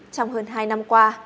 trong hơn hai năm qua